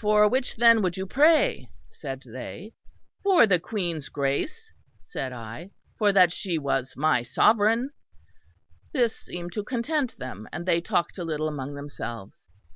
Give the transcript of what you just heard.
For which then would you pray? said they. For the Queen's Grace, said I, for that she was my sovereign. This seemed to content them; and they talked a little among themselves.